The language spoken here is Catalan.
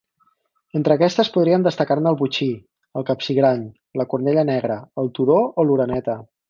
Entre aquestes podríem destacar-ne el botxí, el capsigrany, la cornella negra, el tudó o l'oreneta.